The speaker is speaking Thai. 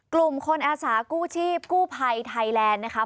กลุ่มคนอาสากู้ชีพกู้ภัยไทยแลนด์นะครับ